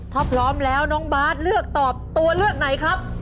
ถ้าพร้อมแล้วน้องบาทเลือกตอบตัวเลือกไหนครับ